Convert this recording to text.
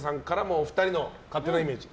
お二人の勝手なイメージ。